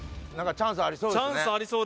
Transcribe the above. チャンスありそうですね